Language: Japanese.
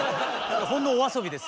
ほんのお遊びです。